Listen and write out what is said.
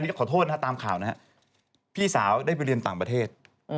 ก็ขอโทษนะฮะตามข่าวนะฮะพี่สาวได้ไปเรียนต่างประเทศ